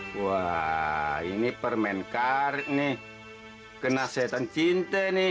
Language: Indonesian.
hai wah ini permen karet nih kena setan cinta nih